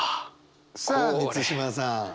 さあ満島さん。